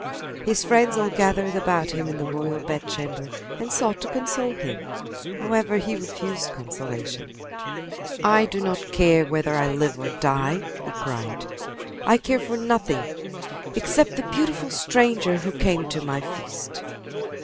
His friends all gathered about him in the royal bedchamber and sought to console him. However he refused consolation. "I do not care whether I live or die!" he cried. "I care for nothing except the beautiful stranger who came to my feast."